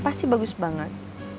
pasti bagus banget